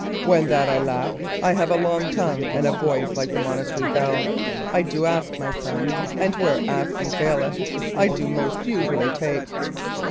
When that I lack, I have a long tongue and a voice like the monastery bell I do ask, my son; and where asking faileth, I do most usually take."